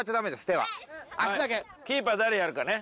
手は足だけキーパー誰やるかね？